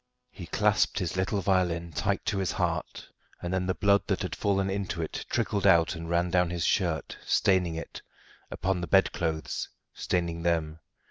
He clasped his little violin tight to his heart, and then the blood that had fallen into it trickled out and ran down his shirt, staining it upon the bedclothes, staining them.